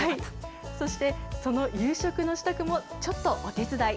そして、その夕食の支度もちょっとお手伝い。